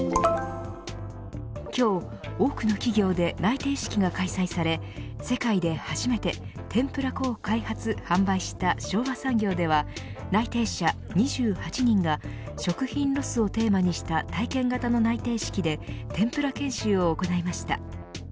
今日多くの企業で内定式が開催され世界で初めて天ぷら粉を開発・販売した昭和産業では内定者２８人が食品ロスをテーマにした体験型の内定式で天ぷら研修を行いました。